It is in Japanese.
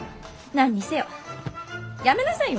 何にせよやめなさいよ。